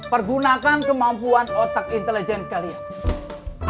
pergunakan kemampuan otak intelijen kalian